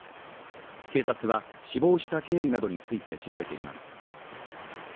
警察は、死亡した経緯などについて調べています。